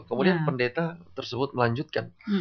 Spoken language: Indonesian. kemudian pendeta tersebut melanjutkan